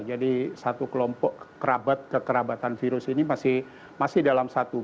jadi satu kelompok kerabat kekerabatan virus ini masih dalam satu